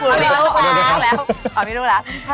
คุณครับคุณครับ